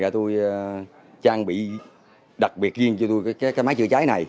tôi trang bị đặc biệt riêng cho tôi cái máy chữa cháy này